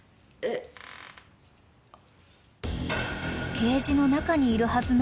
［ケージの中にいるはずの］